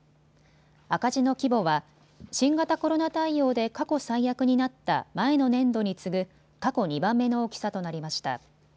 赤字の規模は新型コロナ対応で過去最悪になった前の年度に次ぐ過去２番目の大きさとなりました。